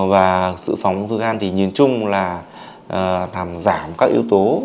và dự phòng ung thư gan thì nhìn chung là làm giảm các yếu tố